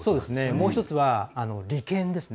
もう１つは利権ですね。